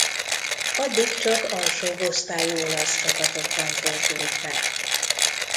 Addig csak alsóbb osztályú olasz csapatokban fordult meg.